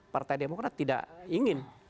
partai demokrat tidak ingin